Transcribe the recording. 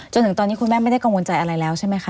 จนถึงตอนนี้คุณแม่ไม่ได้กังวลใจอะไรแล้วใช่ไหมคะ